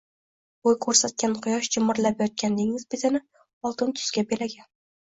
bo‘y ko‘rsatgan quyosh jimirlab yotgan dengiz betini oltin tusga belagan.